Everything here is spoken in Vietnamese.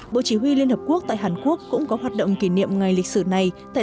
bộ chỉ huy liên hợp quốc tại hàn quốc cũng có hoạt động kỷ niệm ngày lịch sử này tại